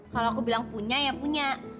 kalau aku bilang punya ya punya